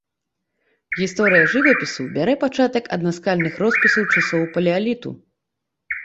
Гісторыя жывапісу бярэ пачатак ад наскальных роспісаў часоў палеаліту.